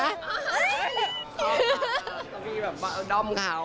เขามีแบบด้อมเขา